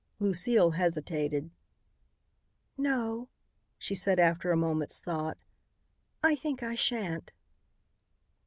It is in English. Lucile hesitated. "No," she said after a moment's thought, "I think I sha'n't."